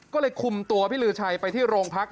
ก็เลยคุมตัวพี่ลือชัยไปที่โรงพัก